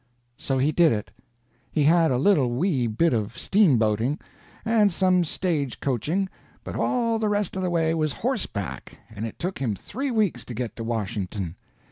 So he did it. He had a little wee bit of steamboating, and some stage coaching, but all the rest of the way was horseback, and it took him three weeks to get to Washington.